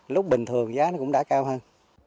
lúc bình thường giá cũng đã cao hơn